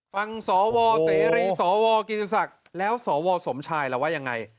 ฟังสวเสรีสวกิติศักดิ์แล้วสวสมชายล่ะว่ายังไง